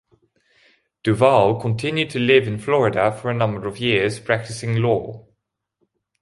Duval continued to live in Florida for a number of years, practicing law.